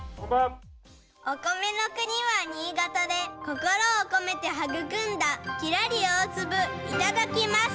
お米の国は新潟で、心を込めて育んだ、きらり大粒、いただきます。